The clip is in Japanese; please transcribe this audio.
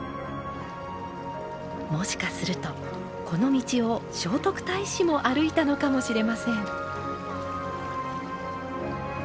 もしかするとこの道を聖徳太子も歩いたのかもしれません。